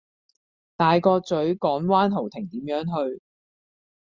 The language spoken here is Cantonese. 大角嘴港灣豪庭點樣去?